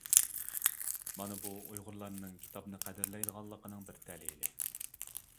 مانا بۇ، ئۇيغۇرلارنىڭ كىتابنى قەدىرلەيدىغانلىقىنىڭ بىر دەلىلى.